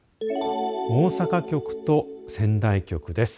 大阪局と仙台局です。